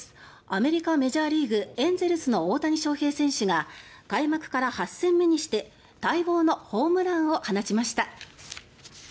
アメリカ、メジャーリーグエンゼルスの大谷翔平選手が開幕から８戦目にして待望のホームランを放ちました。